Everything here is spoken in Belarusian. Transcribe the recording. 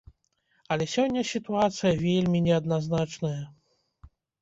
Але сёння сітуацыя вельмі неадназначная.